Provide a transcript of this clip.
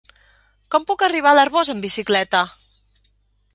Com puc arribar a l'Arboç amb bicicleta?